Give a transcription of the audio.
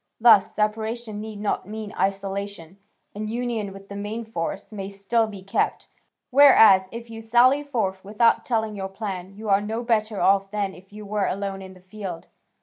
Thus separation need not mean isolation, and union with the main force may still be kept, whereas if you sally forth without telling your plan, you are no better off than if you were alone in the field.